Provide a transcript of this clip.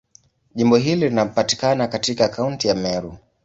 Jimbo hili linapatikana katika Kaunti ya Meru.